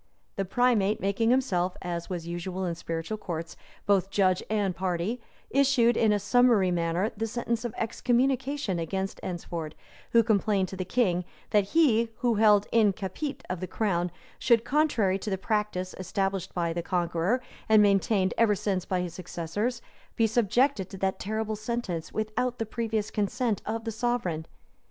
The primate, making himself, as was usual in spiritual courts, both judge and party, issued in a summary manner the sentence of excommunication against Eynsford, who complained to the king, that he, who held "in capite" of the crown, should, contrary to the practice established by the Conqueror, and maintained ever since by his successors, be subjected to that terrible sentence without the previous consent of the sovereign.